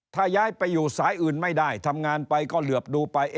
ถ้าย้ายไปอยู่สายอื่นไม่ได้ทำงานไปก็เหลือบดูไป